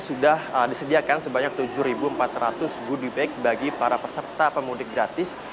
sudah disediakan sebanyak tujuh empat ratus goodie bag bagi para peserta pemudik gratis